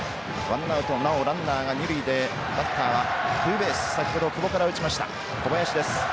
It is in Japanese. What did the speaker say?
ワンアウトなおランナーが二塁でバッターはツーベース先ほど久保から打ちました小林です。